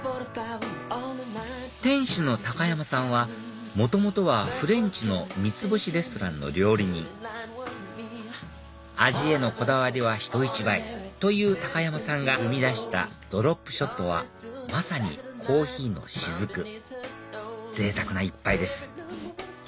店主の山さんは元々はフレンチの３つ星レストランの料理人味へのこだわりは人一倍という山さんが生み出したドロップショットはまさにコーヒーの滴ぜいたくな一杯です